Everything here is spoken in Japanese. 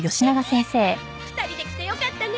２人で来てよかったね。